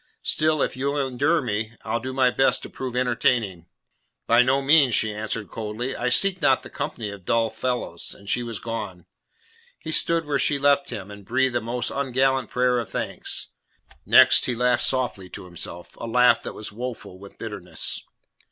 Still, if you'll endure me, I'll do my best to prove entertaining." "By no means," she answered coldly. "I seek not the company of dull fellows." And she was gone. He stood where she had left him, and breathed a most ungallant prayer of thanks. Next he laughed softly to himself, a laugh that was woeful with bitterness.